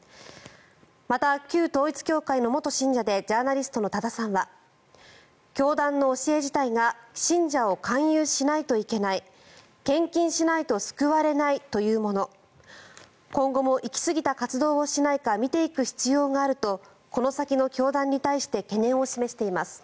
また、旧統一教会の元信者でジャーナリストの多田さんは教団の教え自体が信者を勧誘しないといけない献金しないと救われないというもの今後も行きすぎた活動をしないか見ていく必要があるとこの先の教団に対して懸念を示しています。